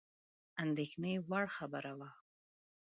اندېښني وړ خبره وه.